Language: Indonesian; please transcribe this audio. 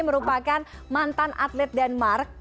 merupakan mantan atlet denmark